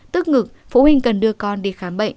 tức ngực phụ huynh cần đưa con đi khám bệnh